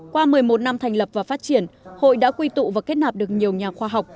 qua một mươi một năm thành lập và phát triển hội đã quy tụ và kết nạp được nhiều nhà khoa học